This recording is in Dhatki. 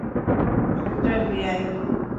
سوئٽر لي آيو.